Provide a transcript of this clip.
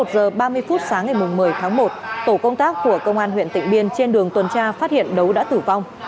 một giờ ba mươi phút sáng ngày một mươi tháng một tổ công tác của công an huyện tịnh biên trên đường tuần tra phát hiện đấu đã tử vong